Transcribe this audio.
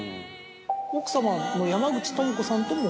奥様の山口智子さんとも？